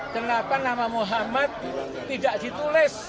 kenapa nama muhammad tidak ditulis